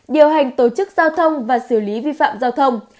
điều hành tổ chức giao thông và xử lý vi phạm giao thông